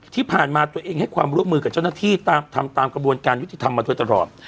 ที่ผ่านมาตัวเองให้ความร่วมมือกับเจ้าหน้าที่ทำตามกระบวนการยุติธรรมมาโดยตลอด